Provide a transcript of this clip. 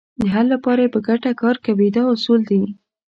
د حل لپاره یې په ګټه کار کوي دا اصول دي.